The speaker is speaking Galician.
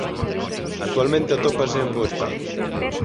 Actualmente atópase en bo estado.